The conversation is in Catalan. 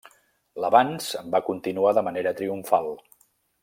L'avanç va continuar de manera triomfal.